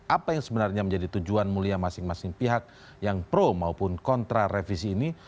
apa yang sebenarnya menjadi tujuan mulia masing masing pihak yang pro maupun kontra revisi ini